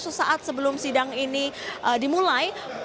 sesaat sebelum sidang ini dimulai